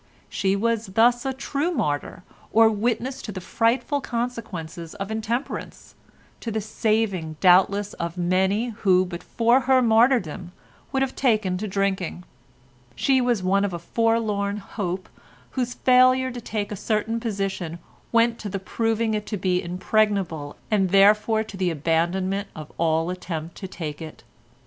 She was thus a true martyr or witness to the frightful consequences of intemperance, to the saving, doubtless, of many who but for her martyrdom would have taken to drinking. She was one of a forlorn hope whose failure to take a certain position went to the proving it to be impregnable and therefore to the abandonment of all attempt to take it.